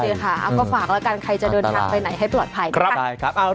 เอาก็ฝากแล้วกันใครจะเอาไปไหนจะเป็นไหลให้ปลอดภัย